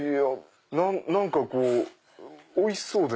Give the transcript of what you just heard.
何かおいしそうで。